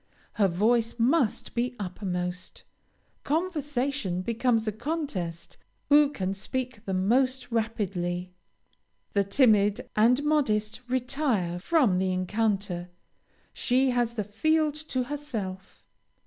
Her voice must be uppermost; conversation becomes a contest who can speak the most rapidly. The timid and modest retire from the encounter she has the field to herself.